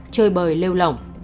chơi bời lêu lỏng